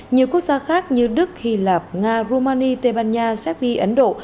nhiều quốc gia khác như đức hy lạp nga rumania tây ban nha serbia ấn độ